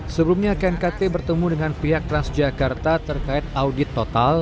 sebelumnya knkt bertemu dengan pihak transjakarta terkait audit total